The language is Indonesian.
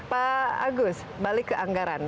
pak agus balik ke anggaran